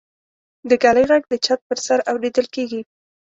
د ږلۍ غږ د چت پر سر اورېدل کېږي.